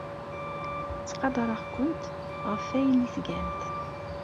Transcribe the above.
Ttqadareɣ-kent ɣef wayen ay tgamt.